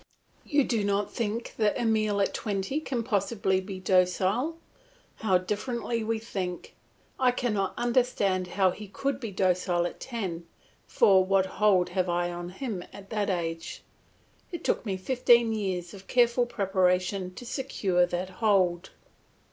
You do not think that Emile, at twenty, can possibly be docile. How differently we think! I cannot understand how he could be docile at ten, for what hold have I on him at that age? It took me fifteen years of careful preparation to secure that hold.